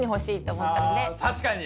確かに！